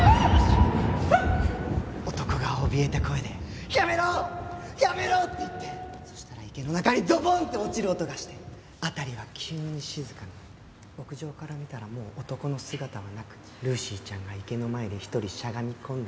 男がおびえた声で「やめろ！やめろ！」って言ってそしたら池の中にドボン！って落ちる音がして辺りは急に静かになって屋上から見たらもう男の姿はなくルーシーちゃんが池の前で一人しゃがみ込んで泣いていたとさ。